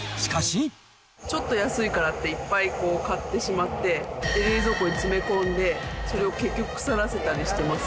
ちょっと安いからって、いっぱい買ってしまって、冷蔵庫に詰め込んで、それを結局腐らせたりしてます。